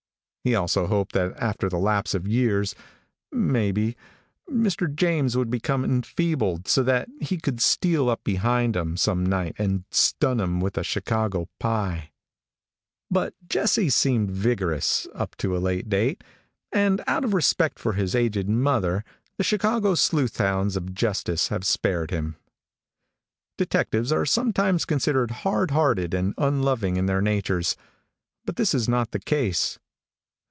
He also hoped that after the lapse of years, may be, Mr. James would become enfeebled so that he could steal up behind him, some night, and stun him with a Chicago pie; but Jesse seemed vigorous, up to a late date, and out of respect for his aged mother, the Chicago sleuth hounds of justice have spared him. Detectives are sometimes considered hardhearted and unloving in their natures, but this is not the case.